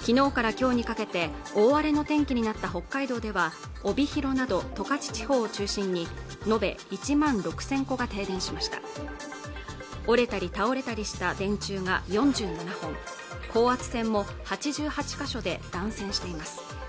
昨日から今日にかけて大荒れの天気になった北海道では帯広など十勝地方を中心に延べ１万６０００戸が停電しました折れたり倒れたりした電柱が４７本高圧線も８８ヶ所で断線しています